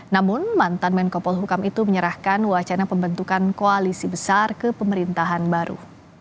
namun mantan menko polhukam itu menyerahkan wacana pembentukan koalisi besar ke pemerintahan baru